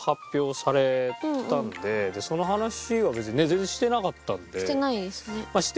その話は別にね全然してなかったので。